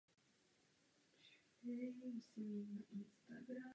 Přesto tematicky tato literatura souvisela s předchozím obdobím.